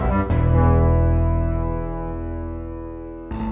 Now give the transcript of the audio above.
terima kasih bang